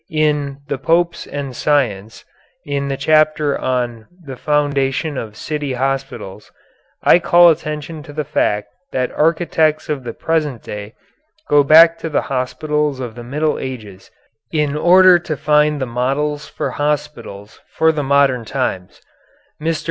In "The Popes and Science," in the chapter on "The Foundation of City Hospitals," I call attention to the fact that architects of the present day go back to the hospitals of the Middle Ages in order to find the models for hospitals for the modern times. Mr.